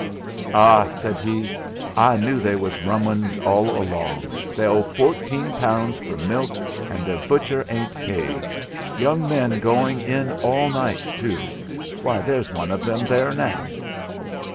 'Ah,' said he, 'I knew they was rum 'uns all along; they owe fourteen pounds for milk, and their butcher ain't paid; young men going in all night, too—why, there's one of them there now.'